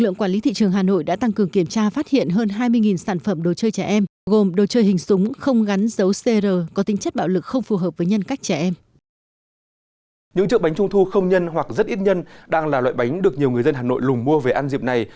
những trượng bánh trung thu không nhân hoặc rất ít nhân đang là loại bánh được nhiều người dân hà nội lùng mua về ăn dịp này